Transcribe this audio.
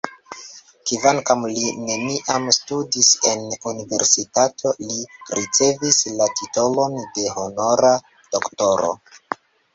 Kvankam li neniam studis en universitato, li ricevis la titolon de honora doktoro.